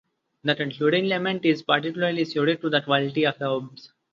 The concluding lament is particularly suited to the qualities of the oboe.